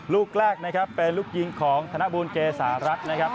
ลูกแรกนะครับเป็นลูกยิงของธนบูลเกษารัฐนะครับ